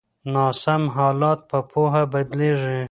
ناسم حالات په پوهه بدلیږي.